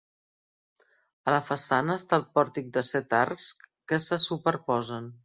A la façana està el pòrtic de set arcs que se superposen.